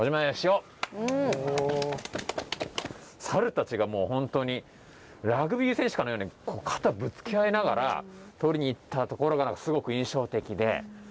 サルたちがもう本当にラグビー選手かのように肩ぶつけ合いながら取りに行ったところがすごく印象的で。